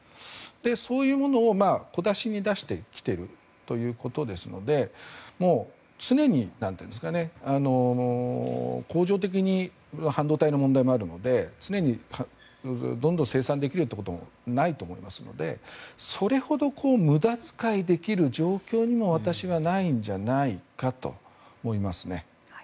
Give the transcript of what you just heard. そういうものを小出しに出してきているということですので常に、恒常的に半導体の問題もあるので常にどんどん生産できるってこともないと思いますのでそれほど無駄遣いできる状況にも私はないんじゃないかと思いますね。